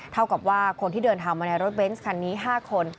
เท่ากับว่าคนที่เดินทางมาในรถเบนส์คันนี้๕คน